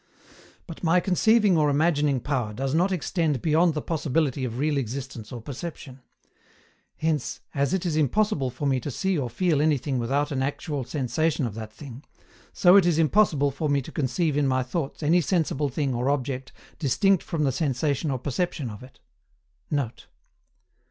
But my conceiving or imagining power does not extend beyond the possibility of real existence or perception. Hence, as it is impossible for me to see or feel anything without an actual sensation of that thing, so is it impossible for me to conceive in my thoughts any sensible thing or object distinct from the sensation or perception of it.[Note.